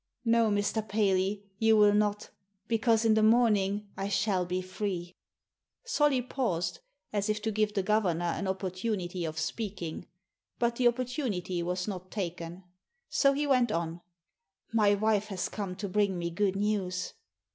" No, Mr. Paley, you will not, because in the morn ing I shall be free." Solly paused, as if to give the governor an opportunity of speaking ; but the oppor tunity was not taken. So he went on, " My wife has come to bring me good news."